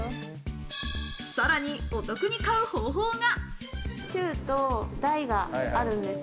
さらにお得に買う方法が。